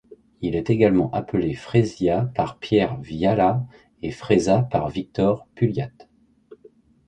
Il est également appelé fresia par Pierre Viala et fresa par Victor Pulliat.